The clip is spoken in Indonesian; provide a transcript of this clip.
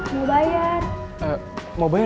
hah mau bayar